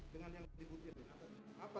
dengan yang dibutir